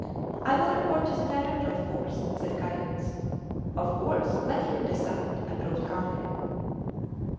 I will report to the Director, of course, said Kayerts. Of course; let him decide, approved Carlier.